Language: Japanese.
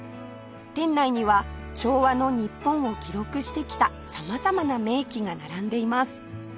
店内には昭和の日本を記録してきた様々な名機が並んでいます